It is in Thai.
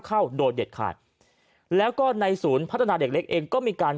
เข้าโดยเด็ดขาดแล้วก็ในศูนย์พัฒนาเด็กเล็กเองก็มีการ